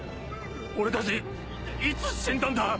俺たちいつ死んだんだ？